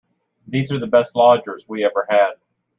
These are the best lodgers we ever had.